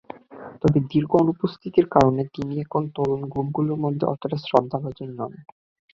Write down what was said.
তবে দীর্ঘ অনুপস্থিতির কারণে তিনি এখন তরুণ গ্রুপগুলোর মধ্যে অতটা শ্রদ্ধাভাজন নন।